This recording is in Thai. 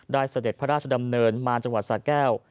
เสด็จพระราชดำเนินมาจังหวัดสะแก้ว